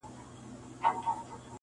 خلک نور ژوند کوي عادي,